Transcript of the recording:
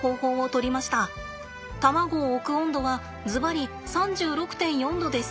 卵を置く温度はずばり３６．４℃です。